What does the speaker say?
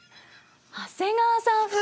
長谷川さん風。